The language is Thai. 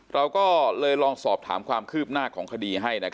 เราก็เลยลองสอบถามความคืบหน้าของคดีให้